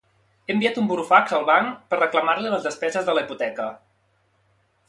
He enviat un burofax al banc per reclamar-li les despeses de la hipoteca